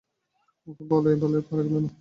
ওকে বলে বলে পারা গেল না।